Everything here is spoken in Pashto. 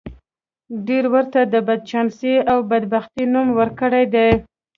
ډېرو ورته د بدچانسۍ او بدبختۍ نوم ورکړی دی.